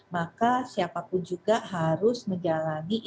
maka siapapun juga harus menjalani isolasi